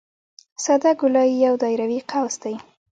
ساده ګولایي یو دایروي قوس دی